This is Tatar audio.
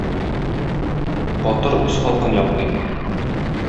Батыр үз халкын яклый.